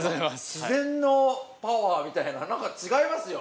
自然のパワーみたいななんか違いますよ。